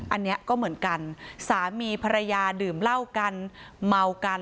อันนี้ก็เหมือนกันสามีภรรยาดื่มเหล้ากันเมากัน